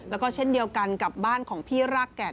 แล้วก็เช่นเดียวกันกับบ้านของพี่รากแก่น